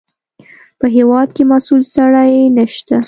په هېواد کې مسوول سړی نشته.